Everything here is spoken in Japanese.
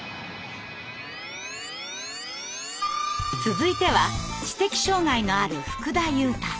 続いては知的障害のある福田悠太さん。